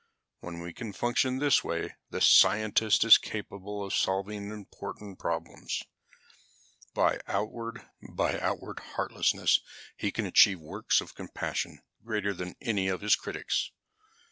"When he can function this way, the scientist is capable of solving important problems. By outward heartlessness he can achieve works of compassion greater than any of his critics.